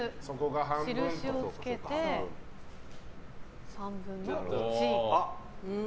印をつけて３分の１。